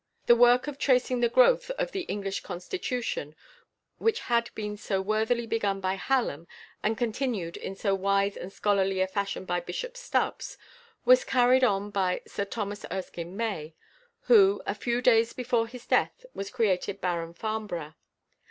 The work of tracing the growth of the English constitution, which had been so worthily begun by Hallam, and continued in so wise and scholarly a fashion by Bishop Stubbs, was carried on by =Sir Thomas Erskine May (1815 1886)=, who, a few days before his death, was created Baron Farnborough.